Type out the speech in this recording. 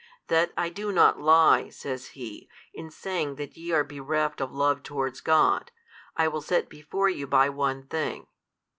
That I do not lie (says He) in saying that ye are bereft of love towards God, I will set before you by one thing.